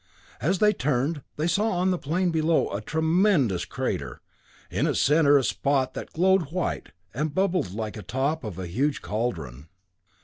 As they turned, they saw on the plain, below a tremendous crater, in its center a spot that glowed white and bubbled like the top of a huge cauldron.